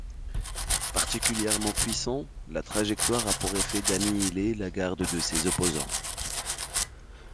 Particulièrement puissant, la trajectoire a pour effet d'annihiler la garde de ses opposants.